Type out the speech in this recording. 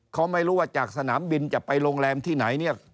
เขาไม่รู้ว่าจากสนามบินจะไปโรงแรมที่ไหนเนี่ย